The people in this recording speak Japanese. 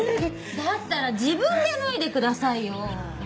だったら自分で脱いでくださいよ。